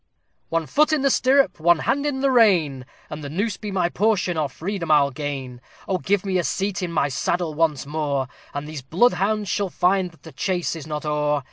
"One foot in the stirrup, one hand in the rein, And the noose be my portion, or freedom I'll gain! Oh! give me a seat in my saddle once more, And these bloodhounds shall find that the chase is not o'er!"